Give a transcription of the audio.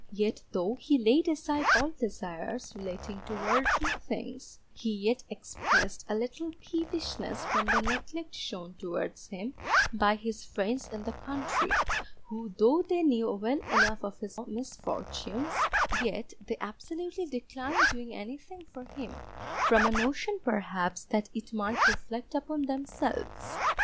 Yet though he laid aside all desires relating to worldly things, he yet expressed a little peevishness from the neglect shown towards him by his friends in the country, who though they knew well enough of his misfortunes, yet they absolutely declined doing anything for him, from a notion perhaps that it might reflect upon themselves.